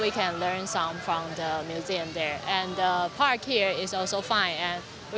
beberapa gambar dari mayor di sini